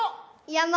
やま！